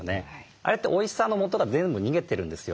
あれっておいしさのもとが全部逃げてるんですよ。